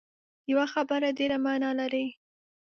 یوه خبره ډېره معنا لري